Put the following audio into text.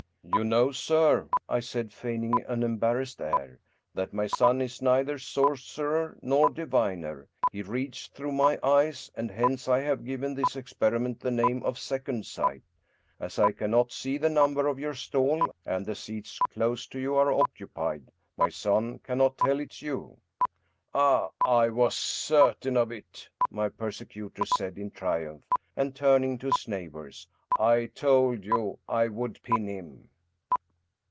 "You know, sir," I said, feigning an embarrassed air, "that my son is neither sorcerer nor diviner; he reads through my eyes, and hence I have given this experiment the name of second sight. As I cannot see the number of your stall, and the seats close to you are occupied, my son cannot tell it you." "Ah I I was certain of it," my persecutor said, in tri umph, and turning to his neighbors :" I told you I would pin him.